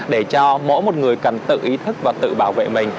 để cho mỗi một người cần tự ý thức và tự bảo vệ mình